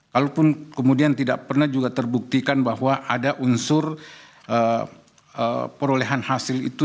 kalaupun kemudian tidak pernah juga terbuktikan bahwa ada unsur perolehan hasil itu